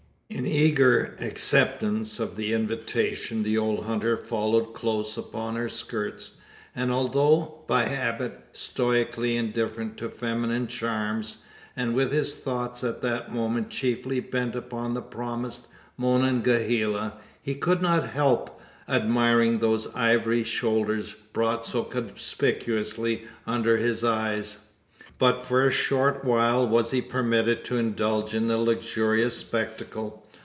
In eager acceptance of the invitation, the old hunter followed close upon her skirts; and although, by habit, stoically indifferent to feminine charms and with his thoughts at that moment chiefly bent upon the promised Monongahela he could not help admiring those ivory shoulders brought so conspicuously under his eyes. But for a short while was he permitted to indulge in the luxurious spectacle.